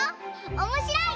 おもしろい！